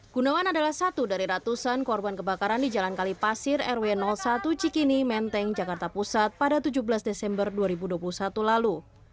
gunawan adalah satu dari ratusan korban kebakaran di jalan kalipasir rw satu cikini menteng jakarta pusat pada tujuh belas desember dua ribu dua puluh satu lalu